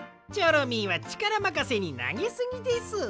チョロミーはちからまかせになげすぎです。